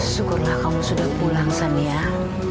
syukurlah kamu sudah pulang saya